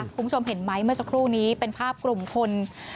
คุณผู้ชมเห็นไหมเมื่อสักครู่นี้เป็นภาพกลุ่มคน